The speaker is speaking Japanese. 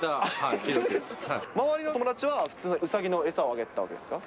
周りの友達は、普通のうさぎの餌をあげてたわけですか。